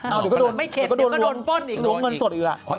มันก็โดนเปิดอีกคือล้วงเงินสดอีกละ